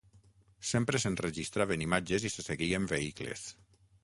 Sempre s’enregistraven imatges i se seguien vehicles.